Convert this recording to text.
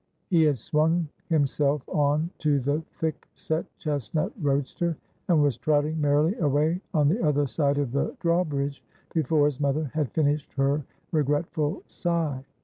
He had swung himself on to the thick set chestnut roadster, and was trotting merrily away on the other side of the draw bridge, before his mother had finished her regretful sigh.